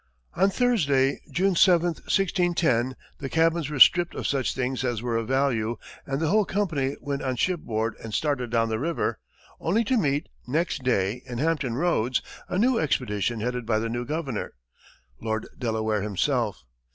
On Thursday, June 7, 1610, the cabins were stripped of such things as were of value, and the whole company went on shipboard and started down the river only to meet, next day, in Hampton Roads, a new expedition headed by the new governor, Lord Delaware, himself!